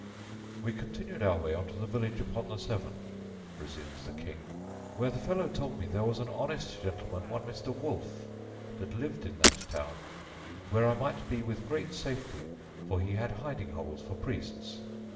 "We continued our way on to the village upon the Severn," resumes the King, "where the fellow told me there was an honest gentleman, one Mr. Woolfe, that lived in that town, where I might be with great safety, for he had hiding holes for priests....